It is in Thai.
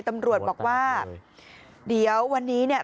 ตำรวจบอกว่าเดี๋ยววันนี้เนี่ย